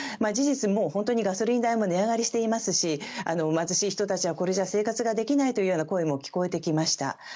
事実、本当にガソリン代も値上がりしていますし貧しい人たちはこれじゃ生活ができないという声も聞こえてきました。